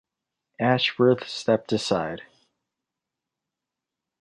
Ashworth stepped aside.